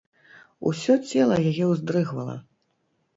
Усё цела яе ўздрыгвала.